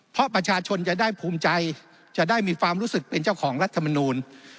เพราะประชาชนจะได้ภูมิใจจะได้มีความรู้สึกเป็นเจ้าของรัฐมนูล